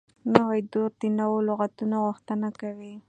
نوې دوره د نوو لغاتو غوښتنه کوي.